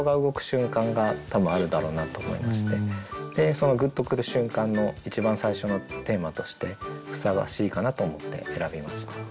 そのグッとくる瞬間の一番最初のテーマとしてふさわしいかなと思って選びました。